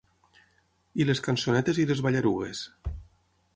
I les cançonetes i les ballarugues.